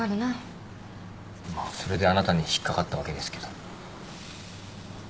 まあそれであなたに引っ掛かったわけですけど。